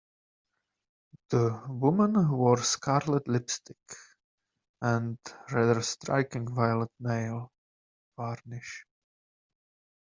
The woman wore scarlet lipstick and rather striking violet nail varnish